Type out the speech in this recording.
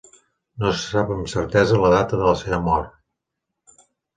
No se sap amb certesa la data de la seva mort.